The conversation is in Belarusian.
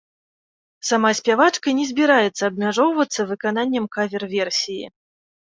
Сама спявачка не збіраецца абмяжоўвацца выкананнем кавер-версіі.